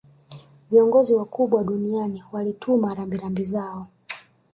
Viongozi wakubwa duniani walituma rambirambi zao